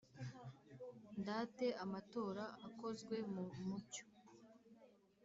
ndate amatora akozwe mu mucyo,